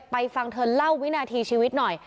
ฟังเธอเล่าวินาทีชีวิตหน่อย